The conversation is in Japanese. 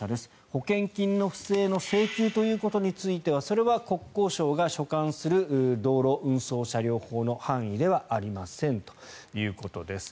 保険金の不正の請求ということについてはそれは国交省が所管する道路運送車両法の範囲ではありませんということです。